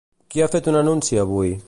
Qui ha fet un anunci avui?